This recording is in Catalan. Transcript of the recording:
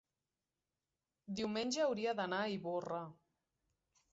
diumenge hauria d'anar a Ivorra.